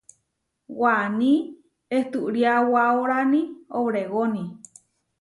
Waní ehturiawaoráni obregoni.